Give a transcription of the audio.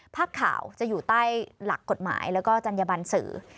ภาพข่าวจะอยู่ใต้หลักกฎหมายแล้วก็จัญญบันสื่อ